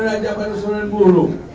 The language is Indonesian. raja bapak sulemburu